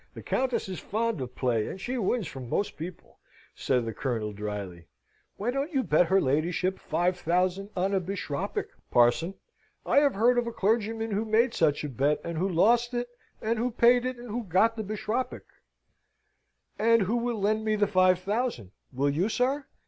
The Countess is fond of play, and she wins from most people," said the Colonel, drily. "Why don't you bet her ladyship five thousand on a bishopric, parson? I have heard of a clergyman who made such a bet, and who lost it, and who paid it, and who got the bishopric. "Ah! who will lend me the five thousand? Will you, sir?